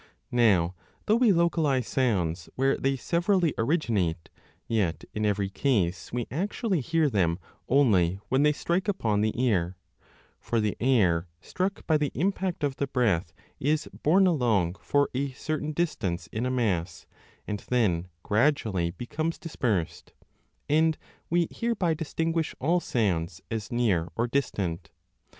20 Now though we localize sounds where they severally originate, yet in every case we actually hear them only when they strike upon the ear ; for the air struck by the impact of the breath is borne along for a certain distance in a mass, and then gradually becomes dispersed, and we 25 1 80 1 a I. Reading &(np#poC(r$at for DE AUDIBILIBUS hereby distinguish all sounds as near or distant.